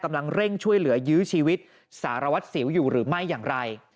กำลังเร่งช่วยเหลือยื้อชีวิตสารวัตรสิวอยู่หรือไม่อย่างไร